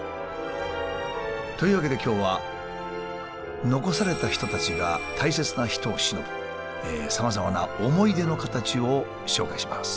というわけで今日は残された人たちが大切な人をしのぶさまざまな思い出の形を紹介します。